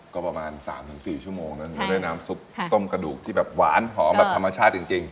ก็ประมาณสามถึงสี่ชั่วโมงหนึ่งใช่ด้วยน้ำซุปต้มกระดูกที่แบบหวานหอมแบบธรรมชาติจริงจริง